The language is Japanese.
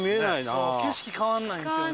水田：景色変わんないですよね。